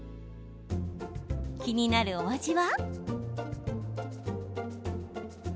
気になるお味は。